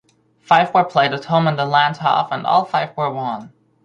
Five were played at home in the Landhof and all five were won.